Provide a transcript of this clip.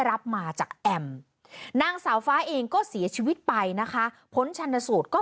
รับมาจากแอมนางสาวฟ้าเองก็เสียชีวิตไปนะคะผลชันสูตรก็